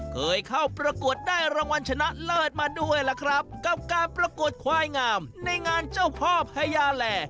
เคยเข้าประกวดได้รางวัลชนะเลิศมาด้วยล่ะครับกับการประกวดควายงามในงานเจ้าพ่อพญาแหล่